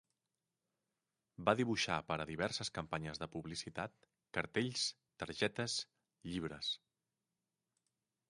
Va dibuixar per a diverses campanyes de publicitat, cartells, targetes, llibres.